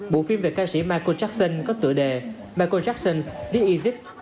bộ phim về ca sĩ michael jackson có tựa đề michael jackson s the egypt